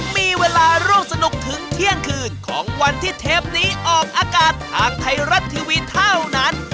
มีเวลาร่วมสนุกถึงเที่ยงคืนของวันที่เทปนี้ออกอากาศทางไทยรัฐทีวีเท่านั้น